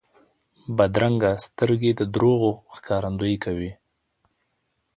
بدرنګه سترګې د دروغو ښکارندویي کوي